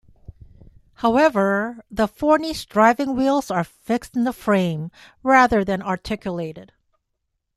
However, the Forney's driving wheels are fixed in the frame, rather than articulated.